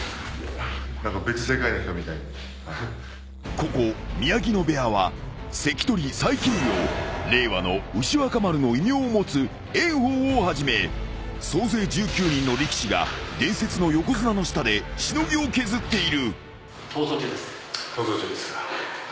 ［ここ宮城野部屋は関取最軽量令和の牛若丸の異名を持つ炎鵬をはじめ総勢１９人の力士が伝説の横綱の下でしのぎを削っている］